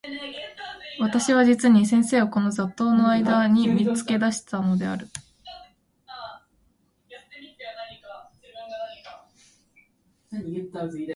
私は実に先生をこの雑沓（ざっとう）の間（あいだ）に見付け出したのである。